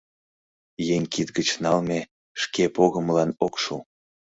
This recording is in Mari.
— Еҥ кид гыч налме шке погымылан ок шу.